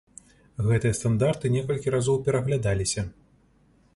Гэтыя стандарты некалькі разоў пераглядаліся.